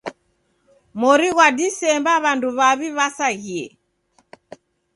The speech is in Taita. Mori ghwa Disemba, w'andu w'aw'i w'asaghie.